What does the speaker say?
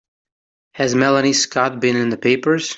Has Melanie Scott been in the papers?